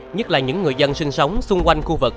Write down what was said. nhất là những người dân sinh sống xung quanh khu vực